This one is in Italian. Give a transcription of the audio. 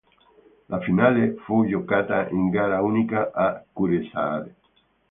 La finale fu giocata in gara unica a Kuressaare.